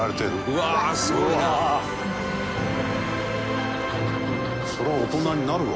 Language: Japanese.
「うわあすごいな」「うわあ」「そりゃ大人になるわ」